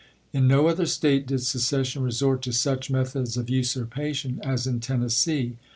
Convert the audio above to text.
In no other State did secession resort to such methods of usurpation as in Tennessee.